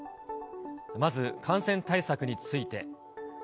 まず感染対策について。